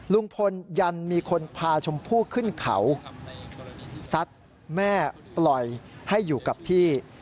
ลุงพลยันมีคนพาชมพู่ขึ้นเขาซัดแม่ปล่อยให้อยู่กับพี่